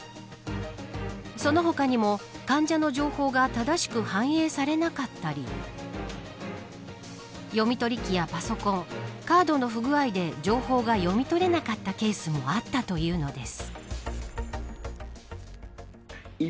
その他にも患者の情報が正しく反映されなかったり読み取り機やパソコンカードの不具合で情報が読み取れなかったケースもあったというのです。